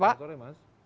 selamat sore mas